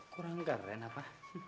kurang keren apa